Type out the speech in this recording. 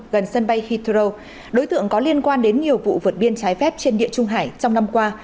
gần sân bay hetro đối tượng có liên quan đến nhiều vụ vượt biên trái phép trên địa trung hải trong năm qua